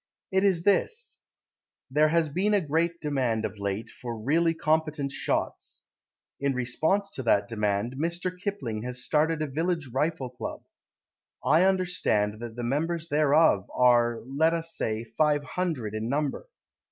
It is this: There has been a great demand of late For really competent shots. In response to that demand Mr. Kipling has started a village rifle club. I understand that the members thereof Are, let us say, five hundred in number.